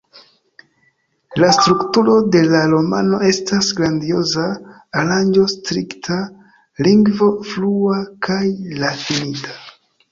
La strukturo de la romano estas grandioza, aranĝo strikta, lingvo flua kaj rafinita.